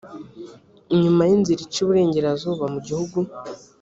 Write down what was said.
inyuma y’inzira ica iburengerazuba mu gihugu